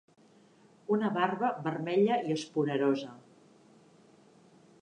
Una barba vermella i esponerosa.